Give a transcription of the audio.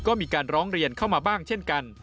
ก็มีการร้องเรียนเข้ามาบ้างเช่นกัน